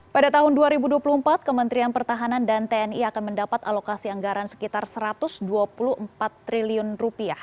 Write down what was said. pada tahun dua ribu dua puluh empat kementerian pertahanan dan tni akan mendapat alokasi anggaran sekitar rp satu ratus dua puluh empat triliun